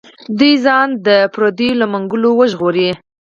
دوی ځان د پردیو له منګولو وژغوري.